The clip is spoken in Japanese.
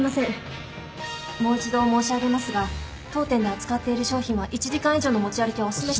もう一度申し上げますが当店で扱っている商品は１時間以上の持ち歩きはおすすめして